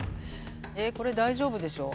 これ大丈夫でしょ。